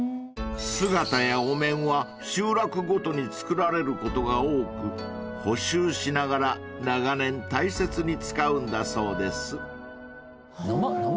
［姿やお面は集落ごとに作られることが多く補修しながら長年大切に使うんだそうです］